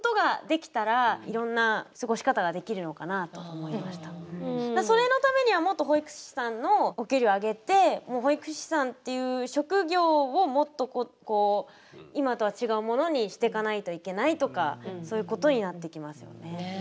例えば、仕事もそうですけれどもプライベートでもそれのためには、もっと保育士さんのお給料を上げて保育士さんっていう職業をもっと今とは違うものにしていかないといけないとかそういうことになってきますよね。